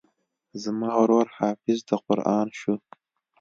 زما ورور حافظ د قران سو.